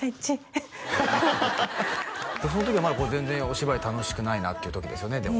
ちその時は全然お芝居楽しくないなって時ですよね